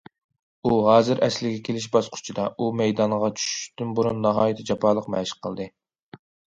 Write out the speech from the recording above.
ئۇ ھازىر ئەسلىگە كېلىش باسقۇچىدا، ئۇ مەيدانغا چۈشۈشتىن بۇرۇن ناھايىتى جاپالىق مەشىق قىلدى.